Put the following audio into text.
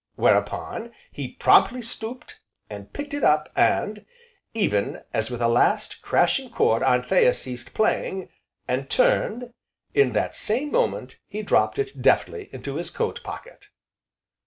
Whereupon, he promptly stooped, and picked it up, and, even as, with a last, crashing chord, Anthea ceased playing, and turned, in that same moment he dropped it deftly into his coat pocket.